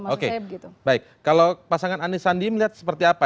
oke baik kalau pasangan anisandi melihat seperti apa